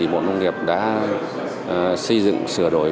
bộ nông nghiệp đã xây dựng sửa đổi